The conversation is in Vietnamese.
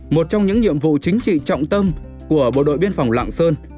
một trong những nhiệm vụ chính trị trọng tâm của bộ đội biên phòng lạng sơn